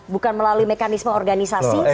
bukan melalui mekanisme organisasi